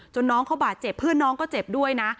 น้องเขาบาดเจ็บเพื่อนน้องก็เจ็บด้วยนะ